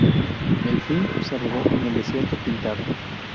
El film se rodó en el Desierto Pintado.